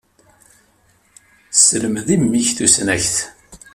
Selmed i mmi-k tusnakt.